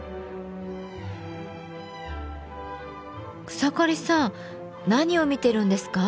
草刈さん何を見てるんですか？